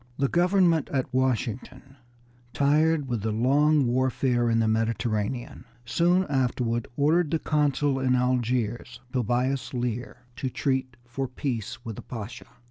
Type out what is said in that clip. The government at Washington, tired with the long warfare in the Mediterranean, soon afterward ordered the consul at Algiers, Tobias Lear, to treat for peace with the Pasha.